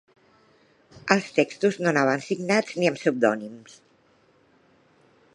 Els textos no anaven signats ni amb pseudònims.